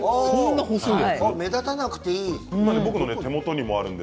目立たなくていい。